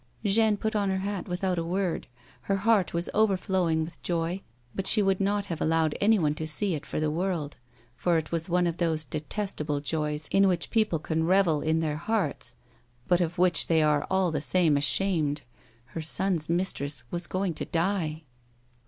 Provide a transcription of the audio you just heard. Jeanne put on her hat without a word. Her heart was overflowing with joy, but she would not have allowed anyone to see it for the world, for it was one of those detestable joys in which people can revel in their hearts, but of which they are all the same ashamed ; her son's mistress was going to die.